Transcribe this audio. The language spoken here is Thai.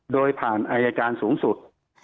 โดยผ่านอายการสูงสุด